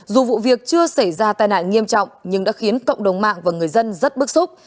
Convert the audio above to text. dù vụ việc chưa xảy ra tai nạn nghiêm trọng nhưng đã khiến cộng đồng mạng và người dân rất bức xúc